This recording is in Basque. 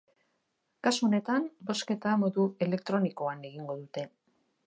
Kasu honetan, bozketa modu elektronikoan egingo dute.